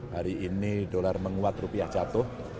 hari ini dolar menguat rupiah jatuh